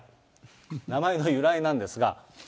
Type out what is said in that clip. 名前の由来なんですが。